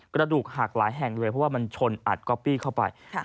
กระดูกหักหลายแห่งเลยเพราะว่ามันชนอัดก๊อปปี้เข้าไป